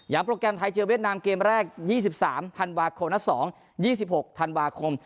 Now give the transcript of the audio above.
โปรแกรมไทยเจอเวียดนามเกมแรก๒๓ธันวาคมนัด๒๒๖ธันวาคม